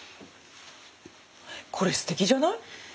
これすてきじゃない？